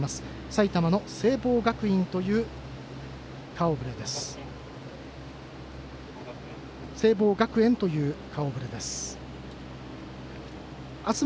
埼玉の聖望学園という顔ぶれです。